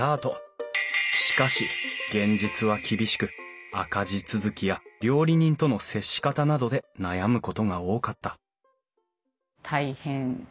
しかし現実は厳しく赤字続きや料理人との接し方などで悩むことが多かった